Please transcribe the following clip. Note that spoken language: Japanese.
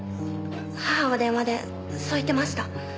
母は電話でそう言ってました。